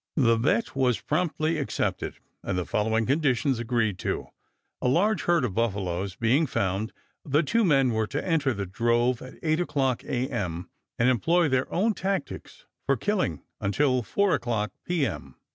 The bet was promptly accepted, and the following conditions agreed to: A large herd of buffaloes being found, the two men were to enter the drove at 8 o'clock A.M., and employ their own tactics for killing until 4 o'clock P.M.